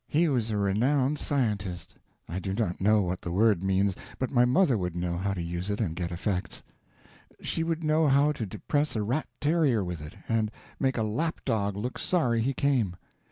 He was a renowned scientist. I do not know what the word means, but my mother would know how to use it and get effects. She would know how to depress a rat terrier with it and make a lap dog look sorry he came.